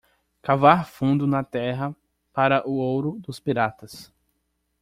Cavar fundo na terra para o ouro dos piratas.